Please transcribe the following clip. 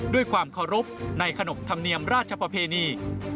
ด้วยความเคารพในขนบธรรมเนียมราชประเพณี